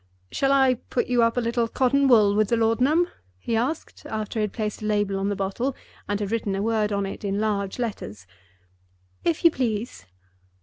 "Shall I put you up a little cotton wool with the laudanum?" he asked, after he had placed a label on the bottle, and had written a word on it in large letters. "If you please.